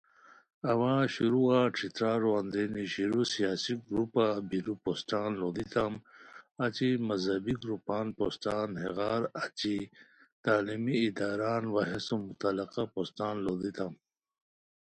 اوا شروعہ ݯھترارو اندرینی شیرو سیاسی گروپہ بیرو پوسٹان لُوڑیتام، اچی مذہی گروپان پوسٹان ہتیغار اچی تعلیمی اداران وا ہے سوم متعلقہ پوسٹان لُوڑیتام